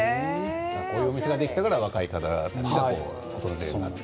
こういうお店ができたから若い方が訪れるようになって。